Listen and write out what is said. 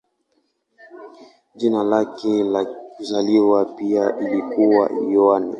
Jina lake la kuzaliwa pia lilikuwa Yohane.